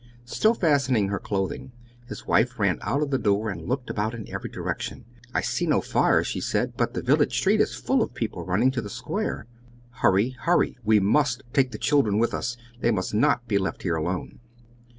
Still fastening her clothing, his wife ran out of the door and looked about in every direction. "I see no fire," she said, "but the village street is full of people running to the square! Hurry! Hurry! We must take the children with us; they must not be left here alone."